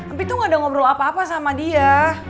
tapi tuh gak ada ngobrol apa apa sama dia